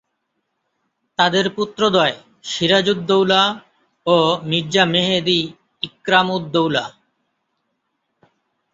তাদের পুত্রদ্বয় সিরাজউদ্দৌল্লা ও মির্জা মেহেদী ইকরামউদ্দৌলা।